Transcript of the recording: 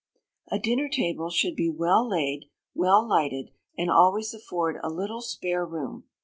A dinner table should be well laid, well lighted, and always afford a little spare room.